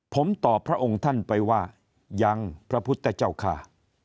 ผมตอบพระองค์ท่านไปว่ายังพระพุทธเจ้าข้า